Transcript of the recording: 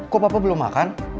kok papa belum makan